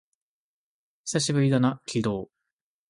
久しぶりだな、鬼道